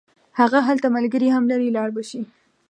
هغه هلته ملګري هم لري لاړ به شي.